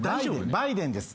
バイデンです